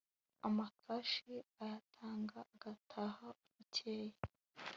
amakashi ayatanga agataha bukeye